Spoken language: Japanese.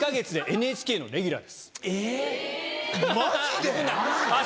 ＮＨＫのレギュラー。